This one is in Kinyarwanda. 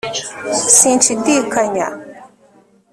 sinshidikanya